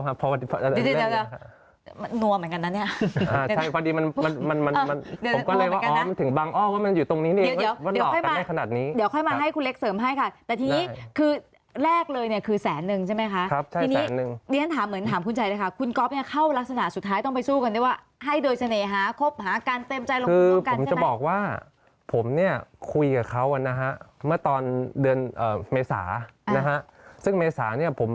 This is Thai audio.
ไม่ได้ขนาดนี้เดี๋ยวค่อยมาให้คุณเล็กเสริมให้ค่ะแต่ทีนี้คือแรกเลยเนี่ยคือแสนนึงใช่ไหมคะครับทีนี้ดิฉันถามเหมือนถามคุณใจนะคะคุณก๊อฟเนี่ยเข้ารักษณะสุดท้ายต้องไปสู้กันด้วยว่าให้โดยเสน่หาครบหากันเต็มใจลงกันคือผมจะบอกว่าผมเนี่ยคุยกับเขานะฮะเมื่อตอนเดือนเมษานะฮะซึ่งเมษาเนี่ยผม